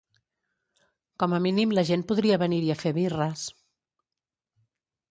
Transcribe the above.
Com a mínim la gent podria venir-hi a fer birres.